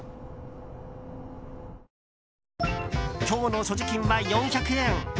今日の所持金は４００円。